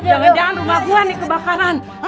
jangan jangan rumah gue nih kebakaran